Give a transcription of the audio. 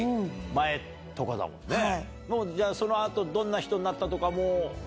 その後どんな人になったとかも分かんない？